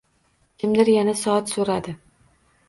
Kimdir yana soat so`radi